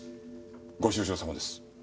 ご愁傷さまです。